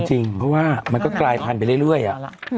จริงเพราะว่ามันก็กลายผ่านไปเรื่อยอ่ะ